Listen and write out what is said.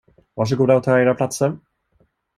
Varsågoda och ta era platser.